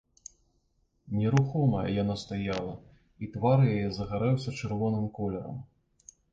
Нерухомая яна стаяла, і твар яе загарэўся чырвоным колерам.